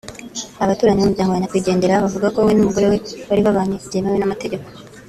Abaturanyi b’ umuryango wa nyakwigendera bavuga ko we n’umugore we bari babanye byemewe n’ amategeko